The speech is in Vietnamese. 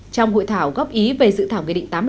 trong hội thảo góp ý về dự thảo ngày định tám mươi sáu